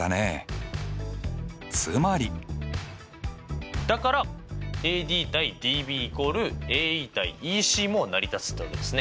つまり？だからＡＤ：ＤＢ＝ＡＥ：ＥＣも成り立つというわけですね。